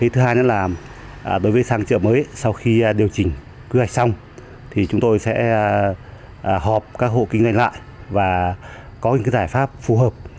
thứ hai là đối với sàng chợ mới sau khi điều chỉnh kế hoạch xong chúng tôi sẽ họp các hộ kinh doanh lại và có những giải pháp phù hợp